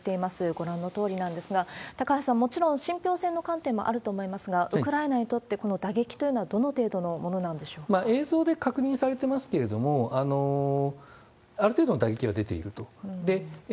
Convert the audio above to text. ご覧のとおりなんですが、高橋さん、もちろん信ぴょう性の観点もあると思いますが、ウクライナにとってこの打撃というのは映像で確認されてますけれども、ある程度の打撃は出ていると。